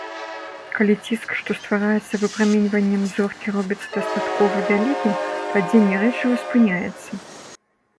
Калі ціск, што ствараецца выпраменьваннем зоркі, робіцца дастаткова вялікім, падзенне рэчыва спыняецца.